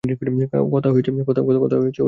কথা হয়েছে ওর সাথে।